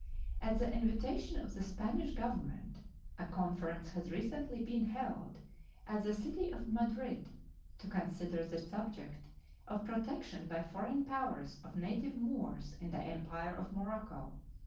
At the invitation of the Spanish Government, a conference has recently been held at the city of Madrid to consider the subject of protection by foreign powers of native Moors in the Empire of Morocco.